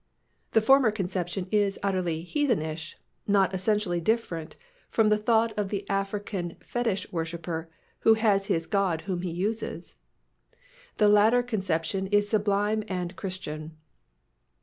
The former conception is utterly heathenish, not essentially different from the thought of the African fetich worshipper who has his god whom he uses. The latter conception is sublime and Christian.